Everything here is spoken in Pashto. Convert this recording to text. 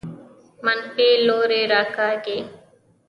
منفي لوري راکاږي.